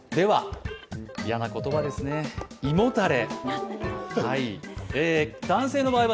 嫌な言葉ですね、胃もたれ。